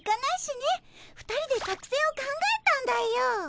２人で作戦を考えたんだよ。